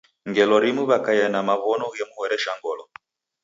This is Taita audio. Ngelo rimu wakaia na maw'ono ghemhoresha ngolo.